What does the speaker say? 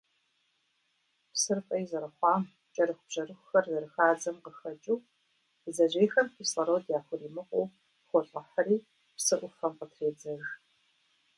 Псыр фӀей зэрыхъуам, кӀэрыхубжьэрыхухэр зэрыхадзэм къыхэкӀыу, бдзэжьейхэм кислород яхуримыкъуу холӀыхьри, псы Ӏуфэм къытредзэж.